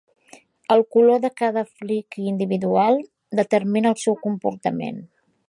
El color de cada flicky individual determina el seu comportament.